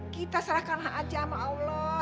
kita serahkanlah aja sama allah